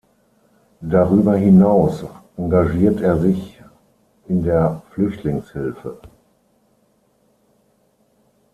Darüber hinaus engagiert er sich in der Flüchtlingshilfe.